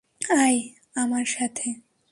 আয় আমার সাথে।